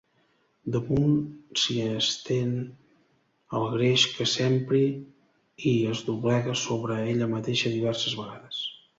Damunt s'hi estén el greix que s'empri i es doblega sobre ella mateixa diverses vegades.